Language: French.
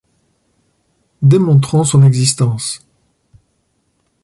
Démontrons son existence.